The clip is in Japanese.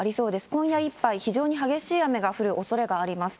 今夜いっぱい、非常に激しい雨が降るおそれがあります。